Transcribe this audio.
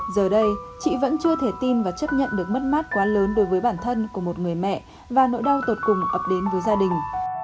giờ đây chị vẫn chưa thể tin và chấp nhận được mất mát quá lớn đối với bản thân của một người mẹ và nỗi đau tột cùng ập đến với gia đình